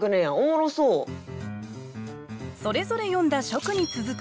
それぞれ詠んだ初句に続く